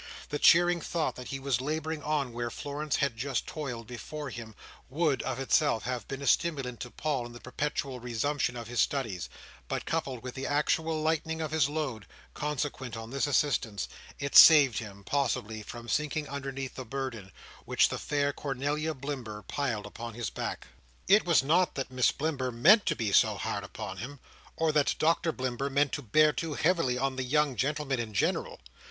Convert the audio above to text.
The cheering thought that he was labouring on where Florence had just toiled before him, would, of itself, have been a stimulant to Paul in the perpetual resumption of his studies; but coupled with the actual lightening of his load, consequent on this assistance, it saved him, possibly, from sinking underneath the burden which the fair Cornelia Blimber piled upon his back. It was not that Miss Blimber meant to be too hard upon him, or that Doctor Blimber meant to bear too heavily on the young gentlemen in general.